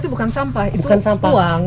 bukan sampah itu uang